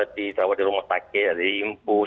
diterawat di rumah sakit diimbu